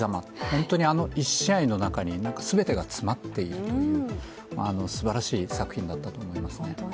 本当にあの１試合の中に全てが詰まっているという、すばらしい作品だと思いますね。